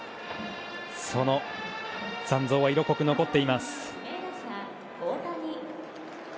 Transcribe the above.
その残像は色濃く残っています。